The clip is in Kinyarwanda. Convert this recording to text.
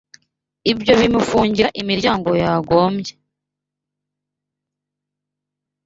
ibyo bimufungira imiryango yagombye